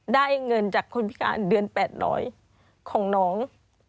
ได้เงินจากคนพิการเดือน๘๐๐ของน้อง